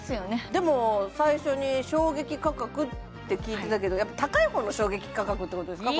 でも最初に衝撃価格って聞いてたけど高い方の衝撃価格ってことですか